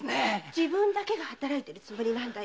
自分だけが働いてるつもりなんだよ。